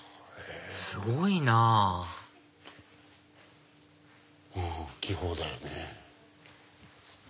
すごいなぁうん気泡だよね。